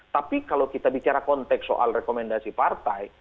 tapi kalau kita bicara konteks soal rekomendasi partai